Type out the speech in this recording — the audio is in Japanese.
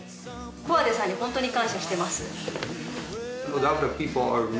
コアゼさんに本当に感謝してます。